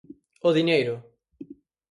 O diñeiro.